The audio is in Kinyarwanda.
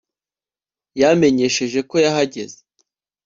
yamenyesheje ko yahageze